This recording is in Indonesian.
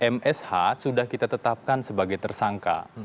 msh sudah kita tetapkan sebagai tersangka